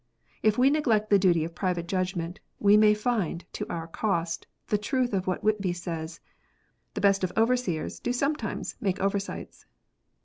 If we neglect the duty of private judgment, we may find, to our cost, the truth of what Whitby says :" The best of overseers do sometimes make over sights."